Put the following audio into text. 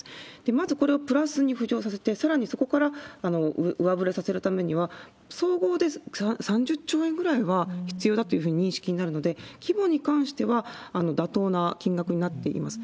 まずこれをプラスに浮上させて、さらにそこから上振れさせるためには、総合で３０兆円ぐらいは必要だというふうに認識になるので、規模に関しては妥当な金額になっています。